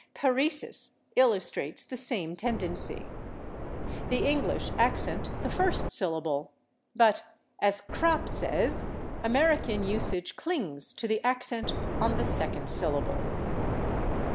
/Paresis/ illustrates the same tendency. The English accent the first syllable, but, as Krapp says, American usage clings to the [Pg170] accent on the second syllable.